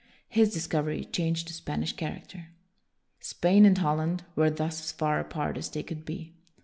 His discovery changed the Spanish character. Spain and Holland were thus as far apart as they could be.